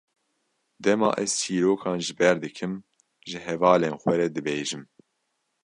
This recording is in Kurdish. Dema ez çîrokan ji ber dikim, ji hevalên xwe re dibêjim.